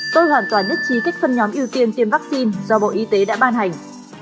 tôi hoàn toàn nhất trí cách phân nhóm ưu tiên tiêm vaccine do bộ y tế đã ban hành